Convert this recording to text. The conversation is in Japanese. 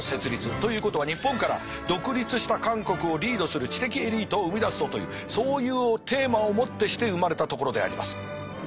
ということは日本から独立した韓国をリードする知的エリートを生みだそうというそういうテーマをもってして生まれたところであります。